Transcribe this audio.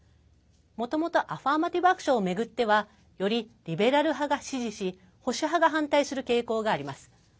もともと、アファーマティブ・アクションを巡ってはよりリベラル派が支持し保守派が反対する傾向があります。